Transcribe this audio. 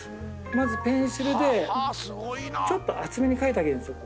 まずペンシルでちょっと厚めに描いてあげるんですよ。